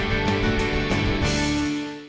jogja imas datang